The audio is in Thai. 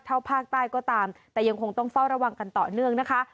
ภาคใต้ก็ตามแต่ยังคงต้องเฝ้าระวังกันต่อเนื่องนะคะ